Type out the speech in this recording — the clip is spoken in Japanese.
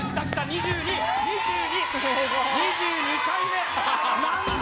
２２２２２２回目何だ